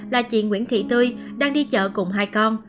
là chị nguyễn thị tươi đang đi chợ cùng hai con